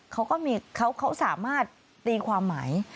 เขาจะมีสามารถเตรียมความหมาย